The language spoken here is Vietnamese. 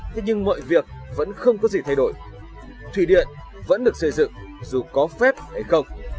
thế nhưng mọi việc vẫn không có gì thay đổi thủy điện vẫn được xây dựng dù có phép hay không